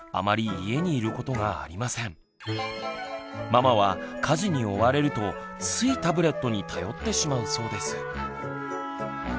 ママは家事に追われるとついタブレットに頼ってしまうそうです。